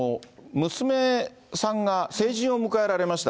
娘さんが成人を迎えられました。